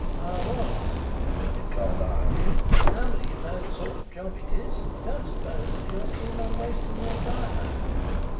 "I was," admitted Carlyle. "And now that you know the sort of job it is I don't suppose that you are keen on wasting your time over it."